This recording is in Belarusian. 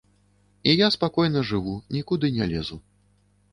І я спакойна жыву, нікуды не лезу.